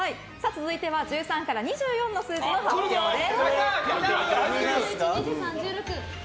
続いては１３から２４の発表です。